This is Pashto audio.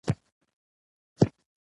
له دې امله ازادي ډېره مهمه ده.